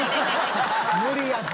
無理やって。